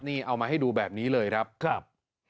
นี่เอามาให้ดูแบบนี้เลยครับครับ